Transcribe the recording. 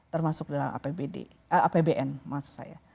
termasuk dalam apbn maksud saya